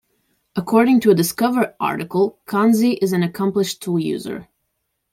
According to a "Discover" article, Kanzi is an accomplished tool user.